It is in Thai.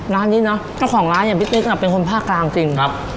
ร้านนี้เนอะเจ้าของร้านอย่างพี่ติ๊กน่ะเป็นคนภาคกลางจริงครับ